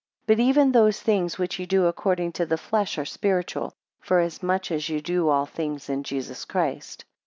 But even those things which ye do according to the flesh are spiritual; forasmuch as ye do all things in Jesus Christ.